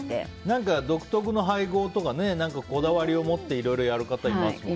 何か独特の配合とかこだわりを持っていろいろやる方いますよね。